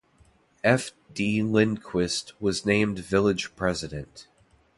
F. D. Lindquist was named village president.